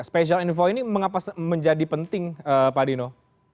special envoy ini mengapa menjadi penting pak dino